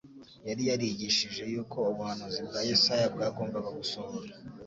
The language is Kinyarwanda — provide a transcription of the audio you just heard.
Yari yarigishije yuko ubuhanuzi bwa Yesaya bwagombaga gusohora